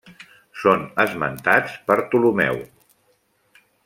Són esmentats per Ptolemeu.